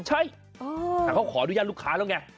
ใช่แต่เขาขออนุญาตลูกค้าแล้วไง